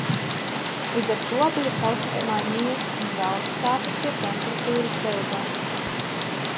Līdz ar to bija kaut kas mainījies un galvas sāpes pie temperatūras beidzās.